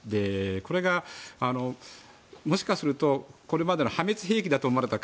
これがもしかするとこれまで破滅兵器だと思われた